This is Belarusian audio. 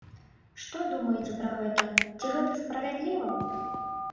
Што думаеце пра гэта, ці гэта справядліва?